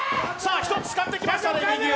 １つ使ってきましたね、右を。